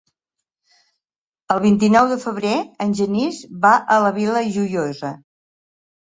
El vint-i-nou de febrer en Genís va a la Vila Joiosa.